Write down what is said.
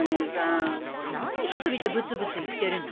何一人でぶつぶつ言ってるの？